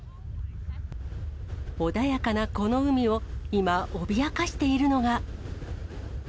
穏やかなこの海を今、脅かしているのが。